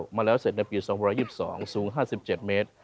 มาแล้วเสร็จในปี๒๒สูง๕๗เมตร